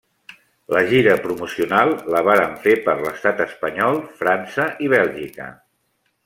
La gira promocional la varen fer per l'estat espanyol, França i Bèlgica.